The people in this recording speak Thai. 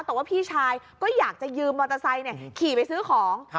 แต่ว่าพี่ชายก็อยากจะยืมมอเตอร์ไซค์ขี่ไปซื้อของ